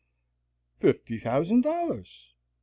"Fifty thousand dollars.